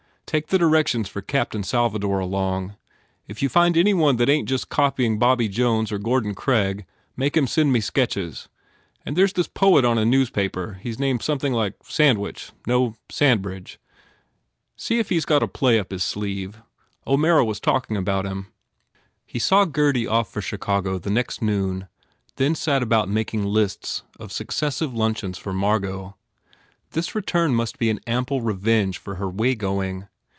Take the directions for Captain Salvador along. If you find any one that ain t just copying Bobby Jones or Gordon Craig make him send me sketches. And there s this poet on a newspaper he s named something like Sandwich no, San bridge. See if he s got a play up his sleeve. O Mara was talking about him." He saw Gurdy off for Chicago, the next noon, 150 GURDY then set about making lists of successive luncheons for M argot. This return must be an ample re venge for her waygoing.